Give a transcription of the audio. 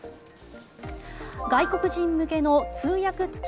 外国人向けの通訳付き